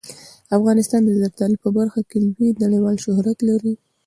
افغانستان د زردالو په برخه کې لوی نړیوال شهرت لري.